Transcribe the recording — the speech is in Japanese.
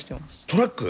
トラック？